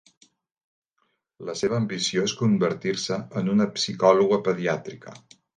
La seva ambició és convertir-se en una psicòloga pediàtrica.